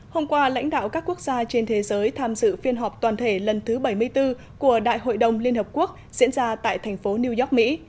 hôm qua lãnh đạo các quốc gia trên thế giới tham dự phiên họp toàn thể lần thứ bảy mươi bốn của đại hội đồng liên hợp quốc diễn ra tại thành phố new york mỹ